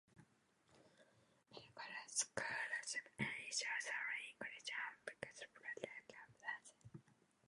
It encourages scholarship in issues surrounding English in Africa through regular conferences.